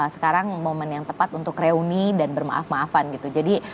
sekarang momen yang tepat untuk reuni dan bermaaf maafan gitu